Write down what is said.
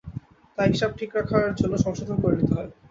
তাই হিসাব ঠিক রাখার জন্য সংশোধন করে নিতে হয়।